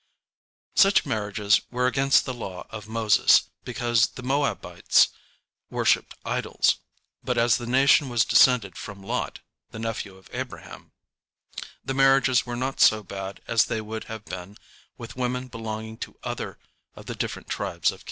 Such marriages were against the law of Moses, because the Moabites worshipped idols, but as the nation was descended from Lot, the nephew of Abraham, the marriages were not so bad as they would have been with women belonging to other of the different tribes of Canaan.